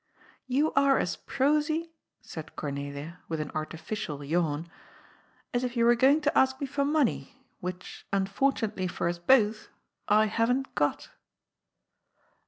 " You are as prosy," said Gomelia with an — ^artificial — yawn, " as if you were going to ask me for money, which, unfortunately for us both, I haven't got."